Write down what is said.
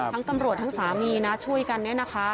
ทั้งตำรวจทั้งสามีช่วยกัน